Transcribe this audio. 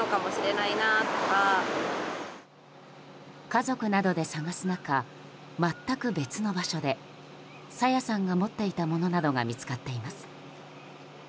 家族などで捜す中全く別の場所で朝芽さんが持っていたものなどが見つかっています。